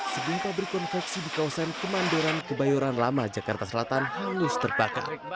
sebuah pabrik konveksi di kawasan kemandoran kebayoran lama jakarta selatan hangus terbakar